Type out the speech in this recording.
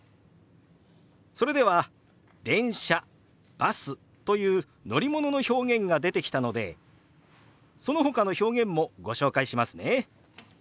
それでは「電車」「バス」という乗り物の表現が出てきたのでそのほかの表現もご紹介しますね。